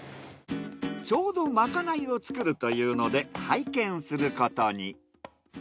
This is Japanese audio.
ちょうどまかないを作るというので拝見することに。